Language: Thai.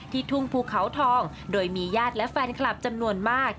ทุ่งภูเขาทองโดยมีญาติและแฟนคลับจำนวนมาก